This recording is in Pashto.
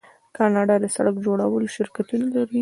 کاناډا د سړک جوړولو شرکتونه لري.